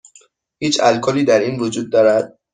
هیچ الکلی در این وجود دارد؟